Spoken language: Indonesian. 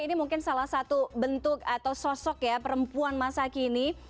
ini mungkin salah satu bentuk atau sosok ya perempuan masa kini